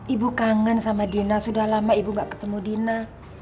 ibu kangen sama dina sudah lama ibu gak ketemu dina